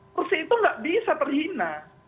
kursi itu nggak bisa terhina